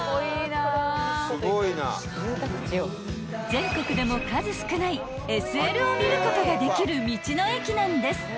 ［全国でも数少ないＳＬを見ることができる道の駅なんです］